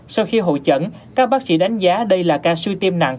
sau khi hội chẩn các bác sĩ đánh giá đây là ca suy tim nặng